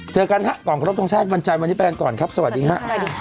เจอกันค่ะก่อนครบช่องแทนบัญชาญวันนี้ไปกันก่อนครับสวัสดีค่ะ